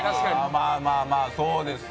まあまあまあそうですね。